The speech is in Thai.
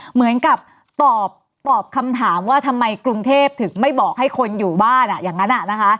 เหมือนกับตอบคำถามว่าทำไมกรุงเทพถึงไม่บอกให้คนอยู่บ้านอย่างนั้น